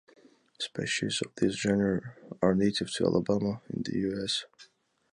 Species of this genre are native to Alabama, in the US.